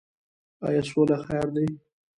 آیا سوله خیر ده؟